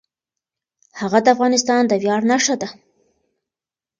هغه د افغانستان د ویاړ نښه ده.